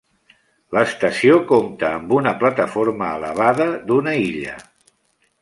L'estació compta amb una plataforma elevada d'una illa.